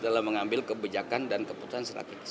dalam mengambil kebijakan dan keputusan strategis